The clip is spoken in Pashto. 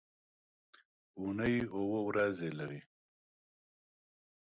اونۍ اووه ورځې لري.